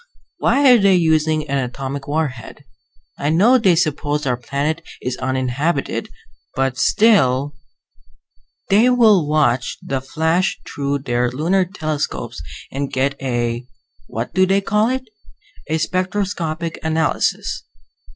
Why are they using an atomic warhead? I know they suppose our planet is uninhabited, but still " "They will watch the flash through their lunar telescopes and get a what do they call it? a spectroscopic analysis.